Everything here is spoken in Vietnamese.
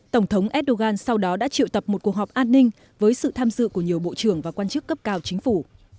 tổng thống erdogan sau đó đã triệu tập một cuộc họp an ninh với sự tham dự của nhiều bộ trưởng và quan chức cấp cao chính phủ